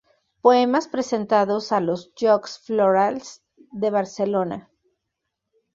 Poemas presentados a los Jocs Florals de Barcelona